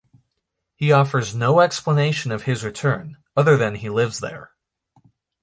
He offers no explanation of his return, other than he lives there.